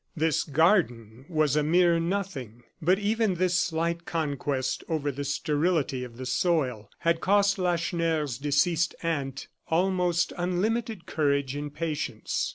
This garden was a mere nothing, but even this slight conquest over the sterility of the soil had cost Lacheneur's deceased aunt almost unlimited courage and patience.